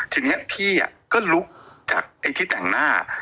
ทีนี้พี่อ่ะก็ลุกจากอ้ายทิสแห่งหน้า